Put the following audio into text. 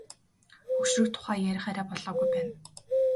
Хөгшрөх тухай ярих арай болоогүй байна.